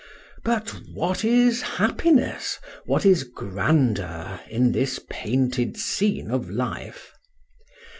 —But what is happiness! what is grandeur in this painted scene of life!